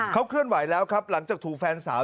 เขาเคลื่อนไหวแล้วครับหลังจากถูกแฟนสาว